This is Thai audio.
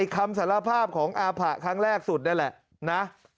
คำสารภาพของอาผะครั้งแรกสุดนั่นแหละนะ